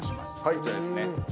こちらですね。